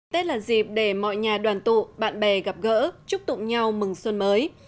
tết là dịp để mọi nhà đoàn tụ bạn bè gặp gỡ chúc tụng nhau mừng xuân mới